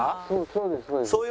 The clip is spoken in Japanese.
そうです。